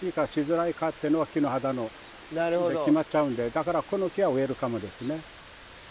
だからこの木はウェルカムですね。